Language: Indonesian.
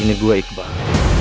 ini gua iqbal